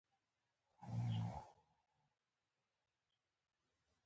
اورېدلې مې کیسه ده له مشرانو.